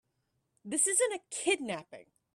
This isn't a kidnapping.